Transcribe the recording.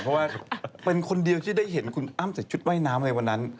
เพราะว่าเป็นคนเดียวที่ได้เห็นคุณอ้ำใส่ชุดว่ายน้ำในวันนั้น